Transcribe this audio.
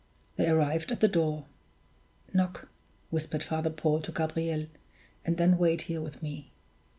They arrived at the door. "Knock," whispered Father Paul to Gabriel, "and then wait here with me."